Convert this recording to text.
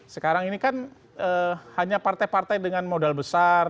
sekarang ini kan hanya partai partai dengan modal besar